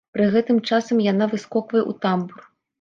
Пры гэтым часам яна выскоквае ў тамбур.